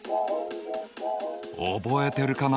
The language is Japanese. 覚えてるかな？